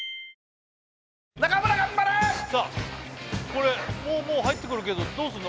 これもう入ってくるけどどうすんの？